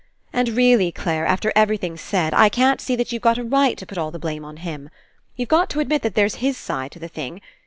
And really, Clare, after everything's said, I can't see that you've a right to put all the blame on him. You've got to admit that there's his side to the thing.